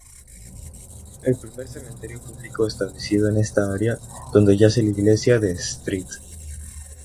El primer cementerio público establecido en esta área donde yace la iglesia de St.